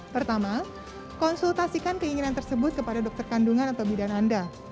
pertama konsultasikan keinginan tersebut kepada dokter kandungan atau bidan anda